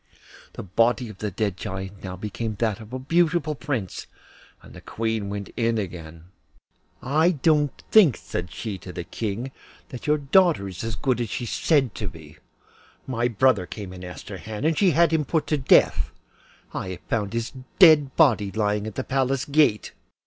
The body of the dead Giant now became that of a beautiful prince, and the Queen went in again. 'I don't think,' said she to the King, 'that your daughter is as good as she is said to be. My brother came and asked her hand, and she has had him put to death. I have just found his dead body lying at the Palace gate.